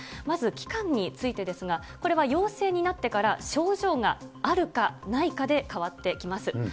まず期間についてですが、これは陽性になってから症状があるかないかで変わってきます。